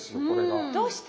どうして？